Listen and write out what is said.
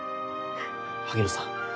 萩野さん